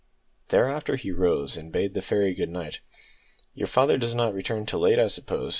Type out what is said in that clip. Thereafter he rose, and bade the fairy good night. "Your father does not return till late, I suppose?"